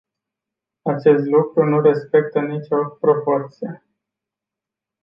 Acest lucru nu respectă nicio proporție.